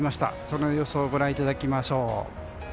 その予想をご覧いただきましょう。